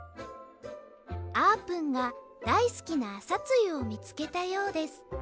あーぷんがだいすきなあさつゆをみつけたようです。